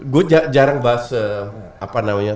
gue jarang bahasa apa namanya